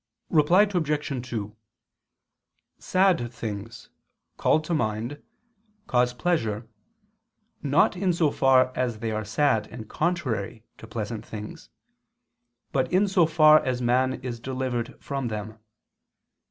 Reply Obj. 2: Sad things, called to mind, cause pleasure, not in so far as they are sad and contrary to pleasant things; but in so far as man is delivered from them.